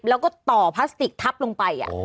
แล้วก็ต่อพลาสติกทับลงไป